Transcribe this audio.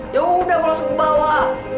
yaudah gue langsung bawa